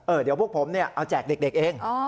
เดี๋ยวพวกผมเนี่ยเอาแจกเด็กเอง